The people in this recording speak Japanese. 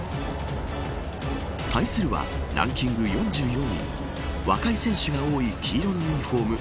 対するはランキング４４位若い選手が多い黄色のユニホーム